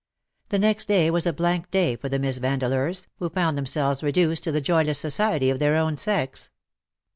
The next day was a blank day for the Miss Vandeleurs, who found themselves reduced to the joyless society of their own sex.